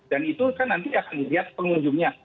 dan itu kan nanti akan dilihat pengunjungnya